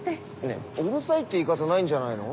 ねぇうるさいって言い方ないんじゃないの？